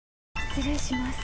失礼します。